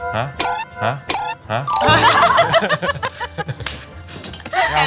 หาหาหา